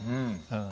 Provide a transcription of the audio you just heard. うん。